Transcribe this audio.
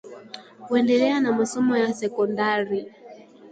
kuendelea na masomo ya sekondari